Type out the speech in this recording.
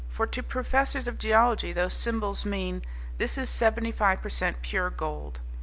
For to professors of geology those symbols mean "this is seventy five per cent pure gold."